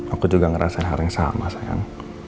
aku juga ngerasain hal yang sama sayang